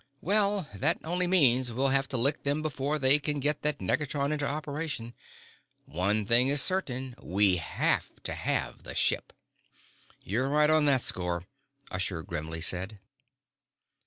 "Well, that only means we will have to lick them before they can get that negatron into operation. One thing is certain we have to have the ship." "You're right on that score," Usher grimly said.